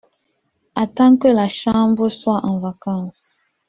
Attends que la Chambre soit en vacances !